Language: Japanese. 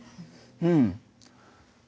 うん。